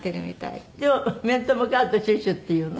でも面と向かうとチュチュって言うの？